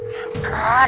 tidak ada yang telfon